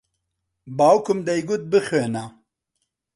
باوکم دەیگوت بخوێنە.